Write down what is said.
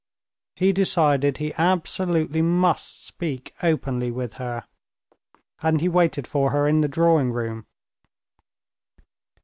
He decided he absolutely must speak openly with her. And he waited for her in her drawing room.